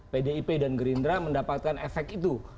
pdip dan gerindra mendapatkan efek itu